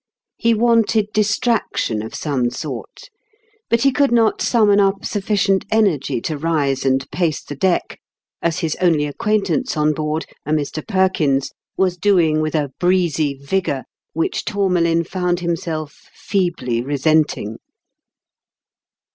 He wanted distraction of some sort, but he could not summon up sufficient energy to rise and pace the deck, as his only acquaintance on board, a Mr. Perkins, was doing with a breezy vigor which Tourmalin found himself feebly resenting.